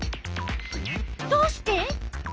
どうして？